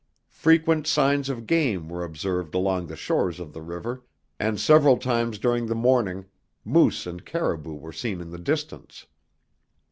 Frequent signs of game were observed along the shores of the river and several times during the morning moose and caribou were seen in the distance.